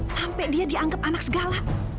sampai dia dianggap anak segala